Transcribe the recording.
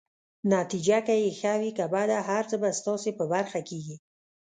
نتیجه که يې ښه وي که بده، هر څه به ستاسي په برخه کيږي.